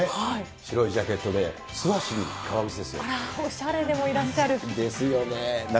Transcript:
白いジャケットで、あら、おしゃれでもいらっしですよね。